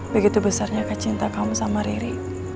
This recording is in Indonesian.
begitu besarnya cinta kamu sama riri